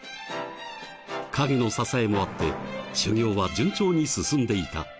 ［カゲの支えもあって修行は順調に進んでいた］